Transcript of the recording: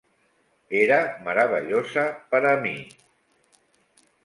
Era meravellosa per a mi.